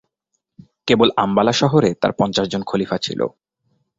কেবল আম্বালা শহরে তার পঞ্চাশ জন খলিফা ছিলো।